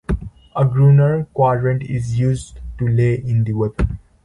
A gunner's quadrant is used to lay in the weapon.